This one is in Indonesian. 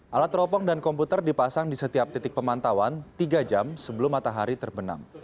alat teropong dan komputer dipasang di setiap titik pemantauan tiga jam sebelum matahari terbenam